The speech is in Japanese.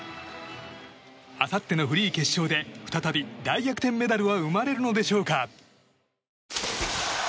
あさってのフリー決勝で再び、大逆転メダルは生まれるのでしょうか？